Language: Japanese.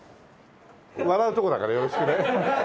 笑うところだからよろしくね。